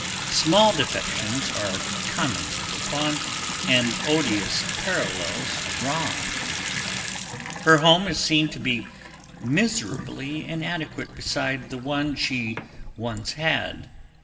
Small defections are commented upon and odious parallels drawn. Her home is seen to be miserably inadequate beside the one she once had.